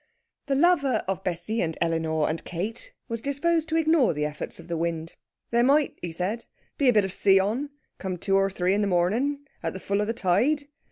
The lover of Bessie and Elinor and Kate was disposed to ignore the efforts of the wind. There might, he said, be a bit of sea on, come two or three in the marn'n at the full of the tide.